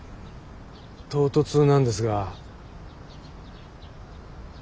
唐突なんですが。